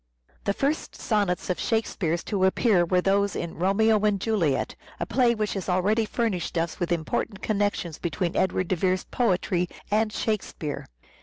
The first sonnets of " Shakespeare's " to appear were those in " Romeo and Juliet ;" a play which has already furnished us with important connections between Edward de Vere's poetry and Shakespeare.